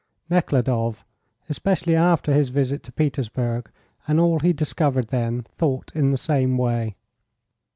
Nekhludoff, especially after his visit to Petersburg and all he discovered there, thought in the same way.